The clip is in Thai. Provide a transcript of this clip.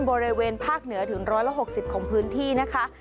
บริเวณภาคเหนือถึง๑๖๐ของพื้นที่นะคะ